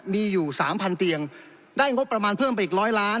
มีอยู่สามพันเตียงได้งบประมาณเพิ่มไปอีกร้อยล้าน